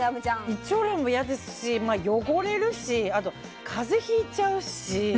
一張羅も嫌ですし、汚れるしあと、風邪をひいちゃうし。